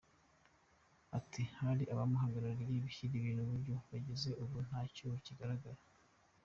Ati “Hari abamuhagarariye bashyira ibintu buryo, kugeza ubu nta cyuho kigaragara.